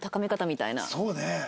そうね。